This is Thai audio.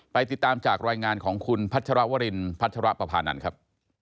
ติดตามจากรายงานของคุณพัชรวรินพัชรปภานันทร์ครับ